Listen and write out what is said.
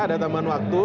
ada tambahan waktu